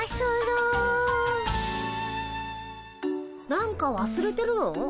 何かわすれてるの？